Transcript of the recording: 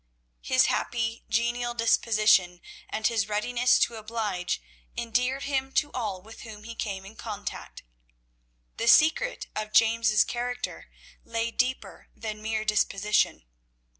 His happy genial disposition and his readiness to oblige endeared him to all with whom he came in contact. The secret of James' character lay deeper than mere disposition.